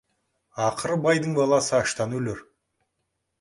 Ақыры байдың баласы аштан өлер.